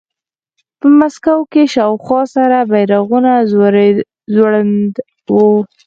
په مسکو کې شاوخوا سره بیرغونه ځوړند وو